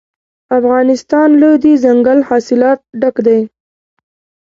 افغانستان له دځنګل حاصلات ډک دی.